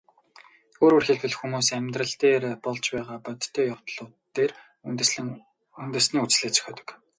Өөрөөр хэлбэл, хүмүүс амьдрал дээр болж байгаа бодтой явдлууд дээр үндэслэн үндэсний үзлээ зохиодог.